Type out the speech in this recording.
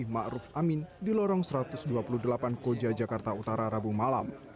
ma'ruf amin di lorong satu ratus dua puluh delapan koja jakarta utara rabu malam